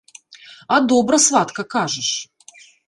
А добра, сватка, кажаш.